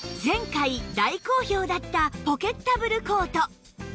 前回大好評だったポケッタブルコート